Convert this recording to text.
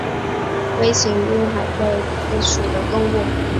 微型滨瘤海葵为蠕形海葵科滨瘤海葵属的动物。